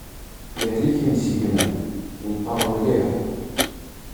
Ihlek imsigman, inṭer mliḥ.